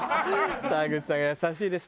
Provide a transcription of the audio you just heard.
沢口さん優しいね。